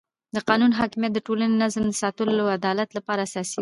د قانون حاکمیت د ټولنې د نظم د ساتلو او عدالت لپاره اساسي دی